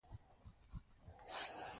کله چې تاسو افغاني تولید اخلئ.